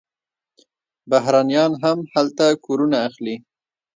بهرنیان هم هلته کورونه اخلي.